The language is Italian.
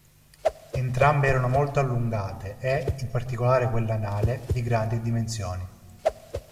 Entrambe erano molto allungate e, in particolare quella anale, di grandi dimensioni.